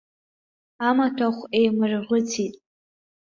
Амаҭәахә еимырӷәыцәит.